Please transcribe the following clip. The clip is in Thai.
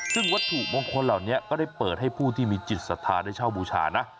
ซึ่งวัตถุมงคลเหล่านี้ก็ได้เปิดให้ผู้ที่มีจิตศรัทธาได้เช่าบูชานะ